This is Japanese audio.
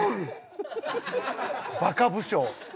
バカ武将！